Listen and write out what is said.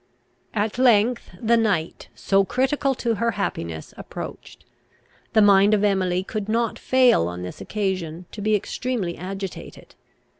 At length the night, so critical to her happiness, approached. The mind of Emily could not fail, on this occasion, to be extremely agitated.